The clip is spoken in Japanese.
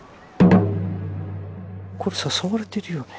これ誘われてるよね。